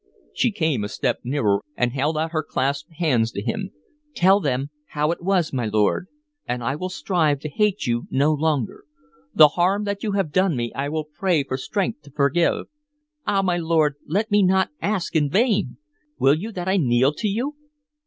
She came a step nearer, and held out her clasped hands to him. "Tell them how it was, my lord, and I will strive to hate you no longer. The harm that you have done me I will pray for strength to forgive. Ah, my lord, let me not ask in vain! Will you that I kneel to you?"